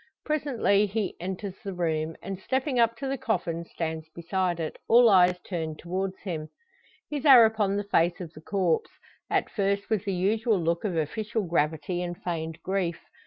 Presently he enters the room, and stepping up to the coffin stands beside it, all eyes turned towards him. His are upon the face of the corpse at first with the usual look of official gravity and feigned grief.